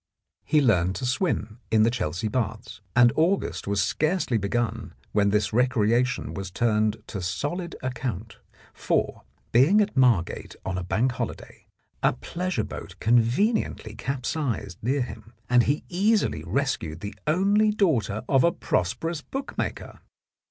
He learned to swim in the Chelsea Baths, and August was scarcely begun when this recreation was turned to solid account, for, being at Margate on bank holiday, a pleasure boat conveniently capsized near him, and he easily rescued the only daughter of a prosperous bookmaker.